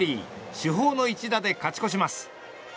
主砲の一打で勝ち越します。